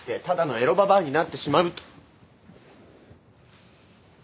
ただのエロババアになってしまう。